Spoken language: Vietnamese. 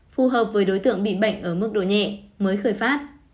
phù hợp với đối tượng bị bệnh ở mức độ nhẹ mới khởi phát